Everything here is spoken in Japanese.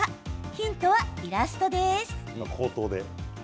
ヒントはイラストです。